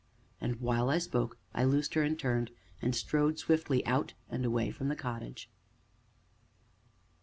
And, while I spoke, I loosed her and turned, and strode swiftly out and away from the cottage.